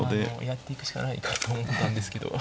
やっていくしかないかと思ったんですけど。